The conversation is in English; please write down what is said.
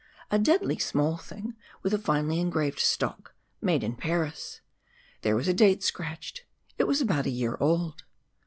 A deadly small thing, with a finely engraved stock made in Paris. There was a date scratched. It was about a year old.